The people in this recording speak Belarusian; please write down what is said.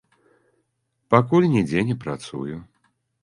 Пакуль нідзе не працую.